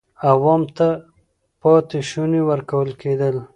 عوام ته پاتې شوني ورکول کېدل.